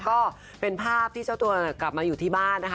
ก็เป็นภาพที่เจ้าตัวกลับมาอยู่ที่บ้านนะคะ